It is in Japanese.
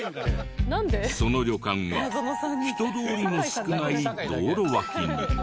その旅館は人通りの少ない道路脇に。